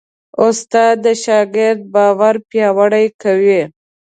استاد د شاګرد باور پیاوړی کوي.